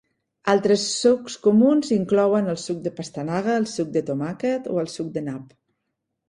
Altres sucs comuns inclouen el suc de pastanaga, el suc de tomàquet i el suc de nap.